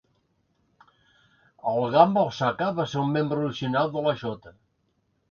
El Gamba Osaka va ser un membre original de la J.